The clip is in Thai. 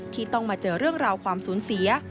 ที่ต้องมาเจอเรื่องราวความสูญเสีย